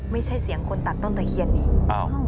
ไม่ใช่เสียงคนตัดต้นตะเคียนอีก